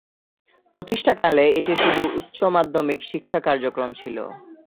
প্রতিষ্ঠাকালে এটি শুধু উচ্চ মাধ্যমিক শিক্ষা কার্যক্রম ছিল।